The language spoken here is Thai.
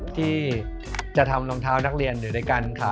ที่จะทำรองเท้านักเรียนอยู่ด้วยกันค่ะ